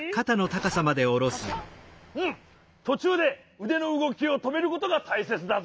とちゅうでうでのうごきをとめることがたいせつだぞ。